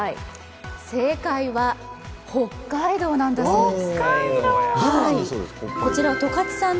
正解は北海道なんだそうです。